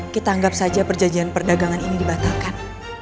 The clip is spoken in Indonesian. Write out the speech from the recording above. kita anggap saja perjanjian perdagangan ini dibatalkan